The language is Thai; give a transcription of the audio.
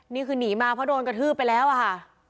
นี่คือหนีมาเพราะโดนกระทืบไปแล้วอะค่ะ